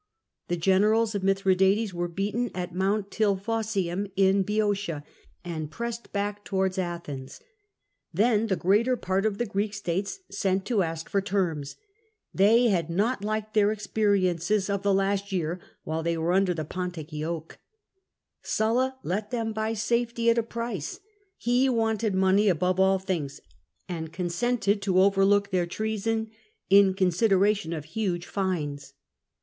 The generals of Mithradates were beaten at Mount Tilphossium in Boeotia and pressed back to wards Athens. Then the greater part of the Greek states sent to ask for terms : they had not liked their experiences of the last year, while they were under the Pontic yoke, Sulla let them buy safety at a price : he wanted money above all other things, and consented to overlook their treason in consideration of huge fines.